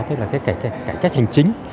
tức là cái cải cách hành chính